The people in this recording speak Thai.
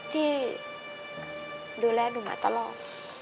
ที่ดูแลหนูมาตลอด